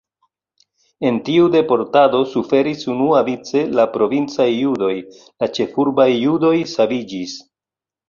En tiu deportado suferis unuavice la provincaj judoj, la ĉefurbaj judoj saviĝis.